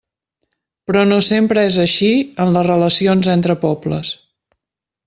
Però no sempre és així en les relacions entre pobles.